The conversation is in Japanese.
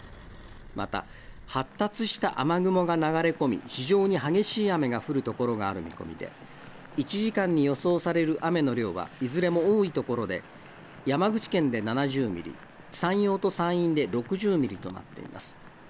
また発達した雨雲が流れ込み、非常に激しい雨が降る所がある見込みで、１時間に予想される雨の量はいずれも多い所で山口県で７０ミリ、山陽と山陰で６０ミリとなっています。